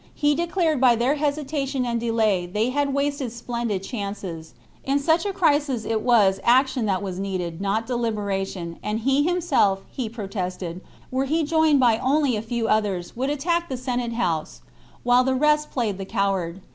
He declared that by their hesitation and delay they had wasted splendid chances ; in such a crisis it was action that was needed, not deliberation, and he himself, he protested, were he joined by only a few others, would attack the Senate house, while the rest played the coward.